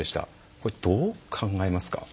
これどう考えますか？